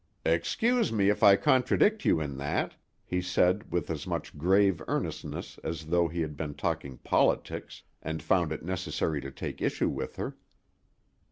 "Excuse me if I contradict you in that," he said with as much grave earnestness as though he had been talking politics, and found it necessary to take issue with her.